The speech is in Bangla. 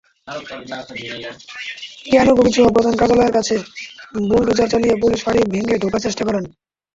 ইয়ানুকোভিৎস প্রধান কার্যালয়ের কাছে বুলডোজার চালিয়ে পুলিশ ফাড়ি ভেঙ্গে ঢোকার চেষ্টা করেন।